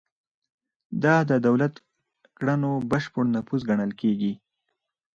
دا د دولت د کړنو بشپړ نفوذ ګڼل کیږي.